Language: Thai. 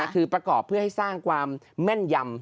คือประกอบเพื่อให้สร้างความแม่นยำ